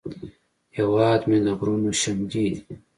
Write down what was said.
هیواد مې د غرونو شملې دي